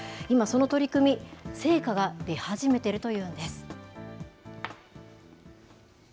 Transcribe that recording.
今、その取り組み、成果が出始めているというんです。